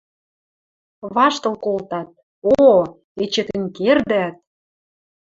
Ваштыл колтат: «О, эче тӹнь кердӓт!»